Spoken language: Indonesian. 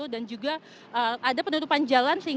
dan juga ada penutupan jalan